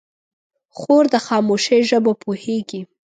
خور د خاموشۍ ژبه پوهېږي.